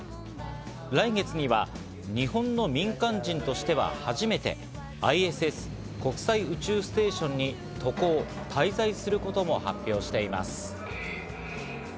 来月には日本の民間人としては初めてＩＳＳ＝国際宇宙ステーションに渡航・滞在することも発表しています。